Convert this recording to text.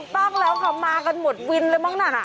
ถูกต้องแล้วค่ะมากันหมดวินเลยมากนัก